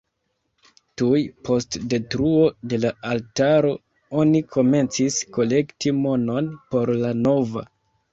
Tuj post detruo de la altaro oni komencis kolekti monon por la nova.